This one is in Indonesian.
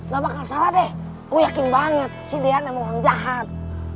gak bakal salah deh gue yakin banget si deyan emang orang jahat